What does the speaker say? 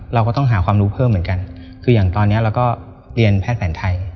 เราก็ต้องหาความรู้เพิ่มเหมือนกันคืออย่างตอนนี้เราก็เรียนแพทย์แผนไทย